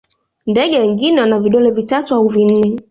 ndege wengine wana vidole vitatu au vinne